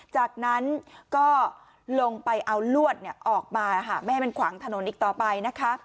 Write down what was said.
จากนั้นก็ลงไปเอาลวดออกมาไม่ให้มันขวางถนนอีกต่อไปนะคะ